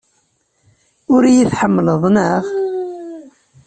Ur iyi-tḥemmleḍ, naɣ?